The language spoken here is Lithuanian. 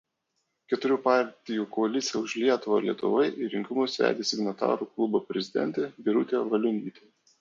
Keturių partijų koaliciją „Už Lietuvą Lietuvoje“ į rinkimus vedė Signatarų klubo prezidentė Birutė Valionytė.